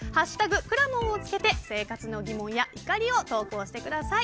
くらもんをつけて生活の疑問や怒りを投稿してください。